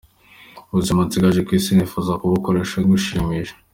Ubuzima nsigaje ku isi nifuza kubukoresha ngushimisha.